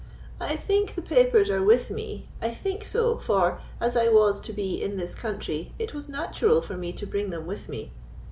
"I think the papers are with me—I think so, for, as I was to be in this country, it was natural for me to bring them with me.